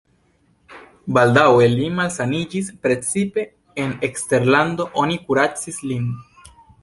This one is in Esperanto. Baldaŭe li malsaniĝis, precipe en eksterlando oni kuracis lin.